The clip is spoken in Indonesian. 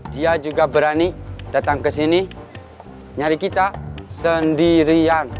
dia juga berani datang kesini nyari kita sendirian